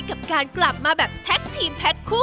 กับการกลับมาแบบแท็กทีมแพ็คคู่